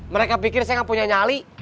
mereka pikir saya gak punya nyali